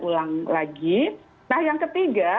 ulang lagi nah yang ketiga